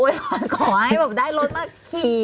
เราขอให้ได้รถมาขี่